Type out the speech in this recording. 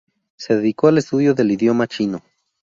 Se dedicó al estudio del idioma chino.